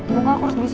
mungkin aku harus bisa